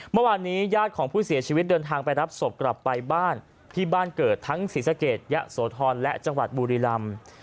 ญาติญาติของผู้เสียชีวิตเดินทางไปรับศพกลับไปบ้านที่บ้านเกิดทั้งศรีสะเกดยะโสธรและจังหวัดบุรีลำ